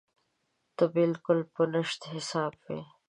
ته بالکل په نشت حساب وې.